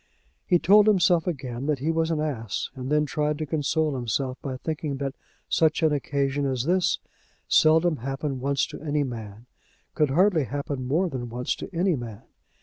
He told himself again that he was an ass; and then tried to console himself by thinking that such an occasion as this seldom happened once to any man, could hardly happen more than once to any man.